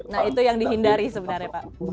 nah itu yang dihindari sebenarnya pak